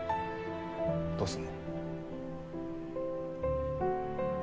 どうすんの？